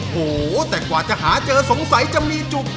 โหแต่กว่าจะหาเจอสงสัยจะมีจุก